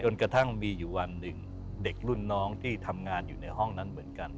กระทั่งมีอยู่วันหนึ่งเด็กรุ่นน้องที่ทำงานอยู่ในห้องนั้นเหมือนกัน